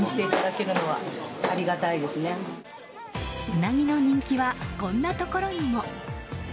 ウナギの人気はこんなところにも。